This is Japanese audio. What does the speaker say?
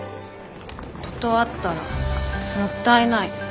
「断ったら『もったいない。